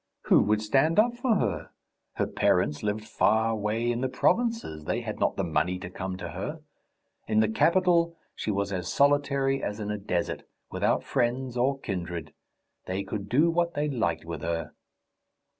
Who would stand up for her? Her parents lived far away in the provinces; they had not the money to come to her. In the capital she was as solitary as in a desert, without friends or kindred. They could do what they liked with her.